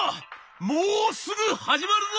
もうすぐ始まるぞ！」。